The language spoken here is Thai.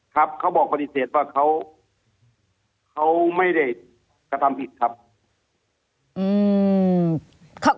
เขาบอกปฏิเสธว่าเขาไม่ได้กระทำผิดครับ